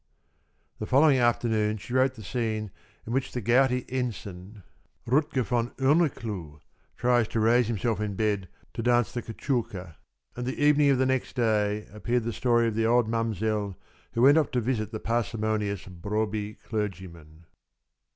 The following afternoon she wrote the scene in which the gouty ensign, Rutger von Örneclou, tries to raise himself in bed to dance the Cachuca, and the evening of the next day appeared the story of the old Mamsell who went off to visit the parsimonious Broby clergyman.